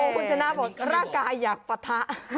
คุณชนะบอกร่างกายอยากปะทะ